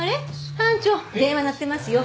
班長電話鳴ってますよ。